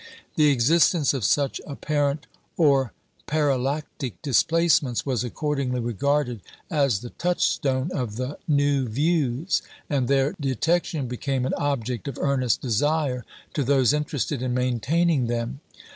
The existence of such apparent or "parallactic" displacements was accordingly regarded as the touchstone of the new views, and their detection became an object of earnest desire to those interested in maintaining them.